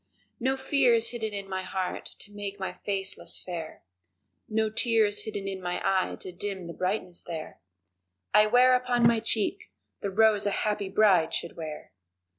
No fear is hidden in my heart to make my face less fair, No tear is hidden in my eye to dim the brightness there I wear upon my cheek the rose a happy bride should wear.